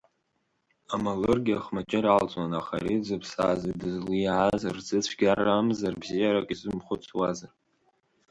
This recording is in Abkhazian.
Амалыргьы ахмаҷыр алҵуан, аха ари дзыԥсази, дызлиааз рзы цәгьарамзар бзиарак изымхәыцуазар.